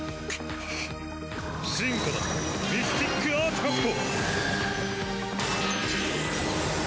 進化だミスティックアーティファクト。